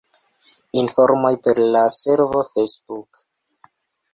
Informoj per la servo Facebook.